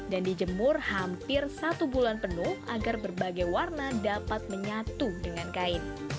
dan dijemur hampir satu bulan penuh agar berbagai warna dapat menyatu dengan kain